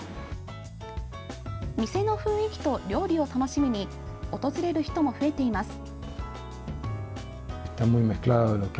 店の雰囲気と料理を楽しみに訪れる人も増えています。